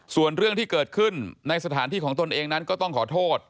ส่วนเรื่องที่เกิดขึ้นในสถานที่ของตนเองนั้นก็ต้องขอโทษ